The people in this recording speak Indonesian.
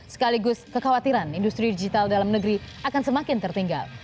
sekaligus kekhawatiran industri digital dalam negeri akan semakin tertinggal